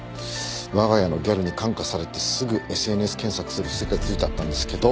我が家のギャルに感化されてすぐＳＮＳ検索する癖がついちゃったんですけど。